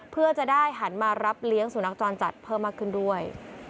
เพื่อจะได้หันมารับเลี้ยงสุนัขจรจัดเพิ่มมากขึ้นด้วย